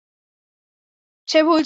সে ভুল ছিল।